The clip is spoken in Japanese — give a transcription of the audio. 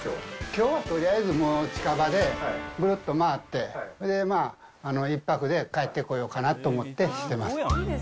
きょうはとりあえずもう、近場でぐるっと回って、それで１泊で帰ってこようかなと思ってしてます。